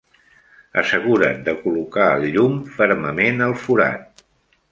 Assegura't de col·locar el llum fermament al forat.